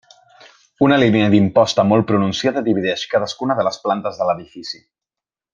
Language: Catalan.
Una línia d'imposta molt pronunciada divideix cadascuna de les plantes de l'edifici.